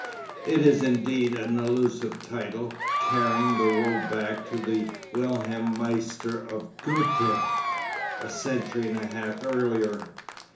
It is indeed an allusive title, carrying the world back to the Wilhelm Meister of Goethe, a century and a half earlier.